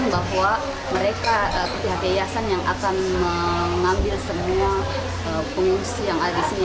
bahwa mereka atau pihak yayasan yang akan mengambil semua pengungsi yang ada di sini